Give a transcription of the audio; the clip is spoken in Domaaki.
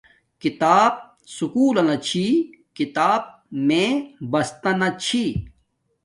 کھیتاپ سکولنا چھی کھیتاپ میے بستا نہ چھی